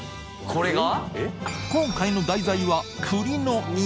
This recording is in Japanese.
これが？